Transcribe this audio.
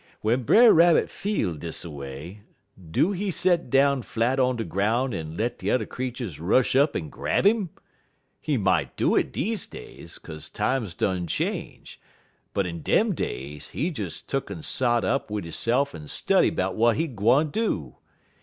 "W'en Brer Rabbit feel dis a way, do he set down flat er de groun' en let de t'er creeturs rush up en grab 'im? He mought do it deze days, 'kaze times done change; but in dem days he des tuck'n sot up wid hisse'f en study 'bout w'at he gwine do.